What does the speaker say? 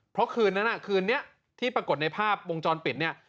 เพราะคืนนั้นคืนนี้ที่ปรากฏในภาพวงจรปิดเนี่ย